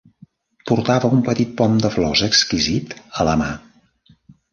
Portava un petit pom de flors exquisit a la mà.